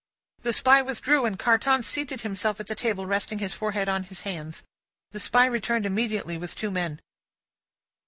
The Spy withdrew, and Carton seated himself at the table, resting his forehead on his hands. The Spy returned immediately, with two men.